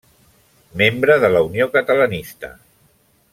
Membre de la Unió Catalanista.